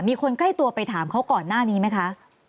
มีคนใกล้ตัวไปถามเขาก่อนหน้านี้ไหมคะ